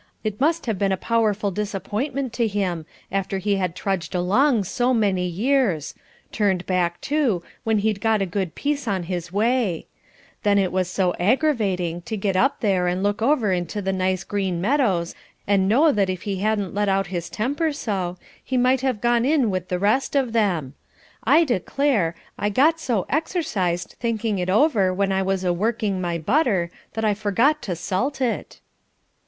It must have been a powerful disappointment to him, after he had trudged along so many years turned back, too, when he'd got a good piece on his way; then it was so aggravating, to get up there and look over into the nice green meadows, and know that if he hadn't let out his temper so, he might have gone in with the rest of them. I declare, I got so exercised thinking it over when I was a working my butter, that I forgot to salt it."